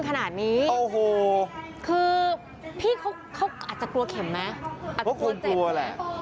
ขนาดนี้โอ้โหคือพี่เขาอาจจะกลัวเข็มไหมอาจจะควรกลัวแหละ